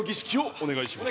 お願いします！